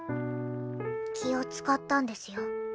気を遣ったんですよ。